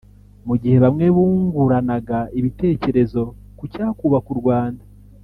Mu gihe bamwe bunguranaga ibitekerezo ku cyakubaka u Rwanda